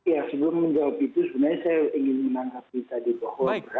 ya sebelum menjawab itu sebenarnya saya ingin menangkapi tadi bohong beras